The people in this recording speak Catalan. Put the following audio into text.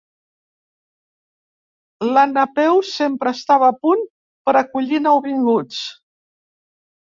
La Napeu sempre estava a punt per acollir nouvinguts.